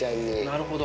なるほど。